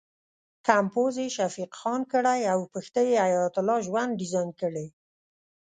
کمپوز یې شفیق خان کړی او پښتۍ یې حیات الله ژوند ډیزاین کړې.